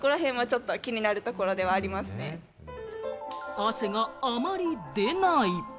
汗があまり出ない。